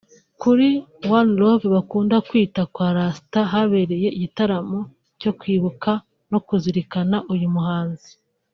Kuri one love bakunda kwita kwa Rasta habereye igitaramo cyo kwibuka no kuzirikana uyu muhanzi